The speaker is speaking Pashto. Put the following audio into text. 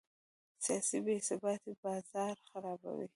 سیاسي بې ثباتي بازار خرابوي.